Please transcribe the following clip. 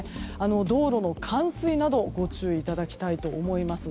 道路の冠水などにご注意いただきたいと思います。